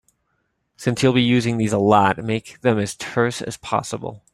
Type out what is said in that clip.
Since you'll be using these a lot, make them as terse as possible.